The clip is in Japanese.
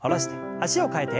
脚を替えて。